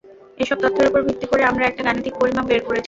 এসব তথ্যের ওপর ভিত্তি করে আমরা একটা গাণিতিক পরিমাপ বের করেছি।